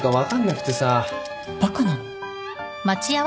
バカなの？